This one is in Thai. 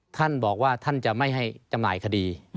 ท่านบอกว่าท่านจะไม่ให้จำหน่ายคดี